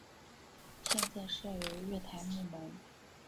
现在设有月台幕门。